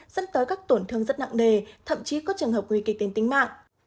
dẫn tới các tổn thương rất nặng nề thậm chí có trường hợp nguy kịch đến tính mạng